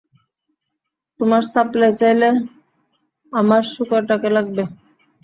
তোমার সাপ্লাই চাইলে, আমার শূকরটাকে লাগবে।